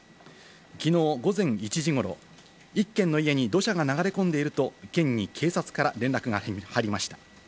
きのう午前１時ごろ、１軒の家に土砂が流れ込んでいると県に警察から連絡が入りました。